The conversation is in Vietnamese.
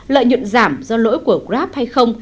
lợi nhuận giảm do lỗi của grab hay không